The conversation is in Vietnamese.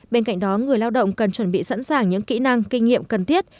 bên cạnh đó người lao động cần chuẩn bị sẵn sàng những kỹ năng kinh nghiệm cần thiết